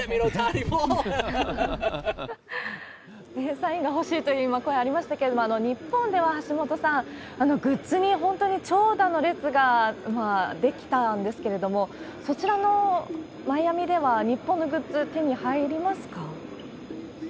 サインが欲しいという、今、声ありましたけれども、日本では、橋本さん、グッズに本当に長蛇の列が出来たんですけれども、そちらのマイアミでは、日本のグッズ、手に入りますか？